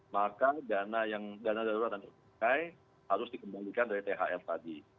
maka dana yang dana darurat yang diperbolehkan harus dikembalikan dari thr tadi